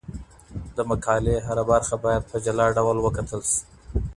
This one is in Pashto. د مقالي هره برخه باید په جلا ډول وکتل سي.